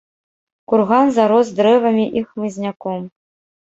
Курган зарос дрэвамі і хмызняком.